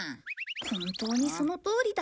本当にそのとおりだ。